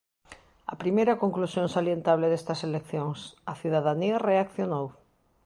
A primeira conclusión salientable destas eleccións: a cidadanía reaccionou.